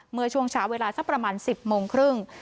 เมื่อช่วงเช้าเวลาสักประมาณ๑๐โมงครึ่ง